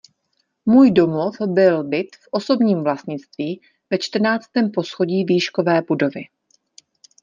Můj domov byl byt v osobním vlastnictví ve čtrnáctém poschodí výškové budovy.